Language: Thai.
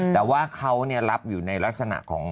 แต่ว่าเขารับอยู่ในลักษณะของ